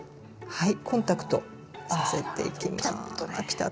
はい。